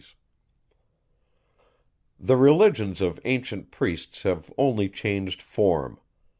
The religions of ancient priests have only changed form.